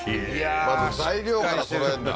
まず材料からそろえんだ？